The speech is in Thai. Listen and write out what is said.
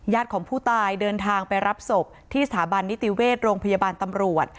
ของผู้ตายเดินทางไปรับศพที่สถาบันนิติเวชโรงพยาบาลตำรวจ